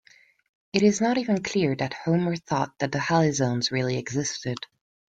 It is not even clear that Homer thought the Halizones really existed.